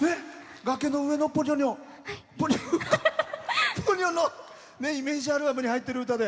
「崖の上のポニョ」のイメージアルバムに入っている歌で。